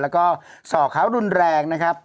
แล้วก็สอกเขารุนแรงนะครับ